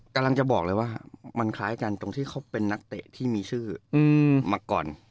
กำลังจะบอกเลยว่ามันคล้ายกันตรงที่เขาเป็นนักเตะที่มีชื่อมาก่อน